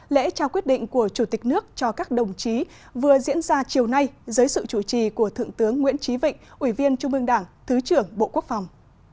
lễ trao quyết định của chủ tịch nước cho các đồng chí vừa diễn ra chiều nay dưới sự chủ trì của thượng tướng nguyễn trí vịnh ủy viên trung ương đảng thứ trưởng bộ quốc phòng